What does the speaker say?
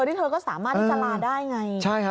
ที่เธอก็สามารถที่จะลาได้ไง